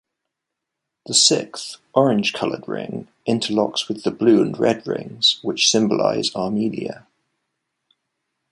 The sixth, orange-colored ring, interlocks with the blue and red rings, which symbolize Armenia.